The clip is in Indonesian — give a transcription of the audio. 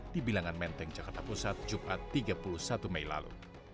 di bilangan menteng jakarta pusat jumat tiga puluh satu mei lalu